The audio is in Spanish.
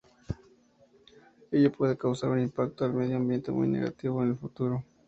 Ello puede causar un impacto al medio ambiente muy negativo en el futuro.